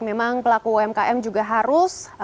memang pelaku umkm juga harus